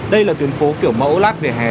đây là tuyến phố kiểu mẫu lát vỉa hè